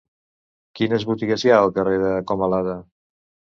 Quines botigues hi ha al carrer de Comalada?